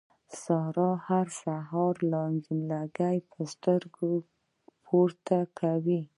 سارا هر ورځ رانجه په سترګو پورې کوي.